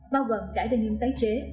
bao gồm cả denims tái chế